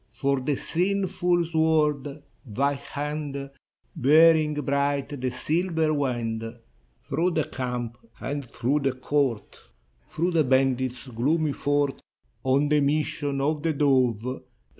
For the sinful sword, — thy hand Bearing bright the silver wand. Through the camp and through the court, Through the bandit's gloomy fort, On the mission of the dove.